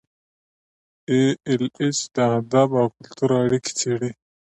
ای ایل ایچ د ادب او کلتور اړیکې څیړي.